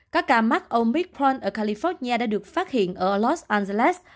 các ca mắc omicron ở california đã được phát hiện ở los angeles